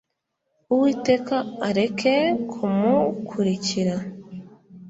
uwiteka areke kumukurikira .